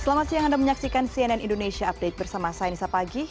selamat siang anda menyaksikan cnn indonesia update bersama saya nisa pagih